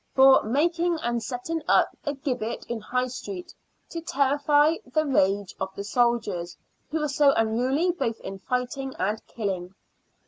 for making and setting up a gibbet in High Street, to terrify the rage of the soldiers, who were so unruly both in fighting and killing."